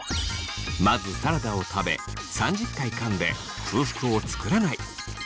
まずサラダを食べ３０回かんで空腹を作らない。